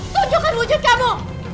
tunjukkan wujud kamu